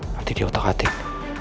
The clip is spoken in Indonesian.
nanti dia otak atik